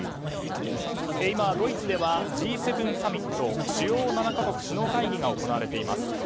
今、ドイツではＧ７サミット主要７か国主要会議が行われています。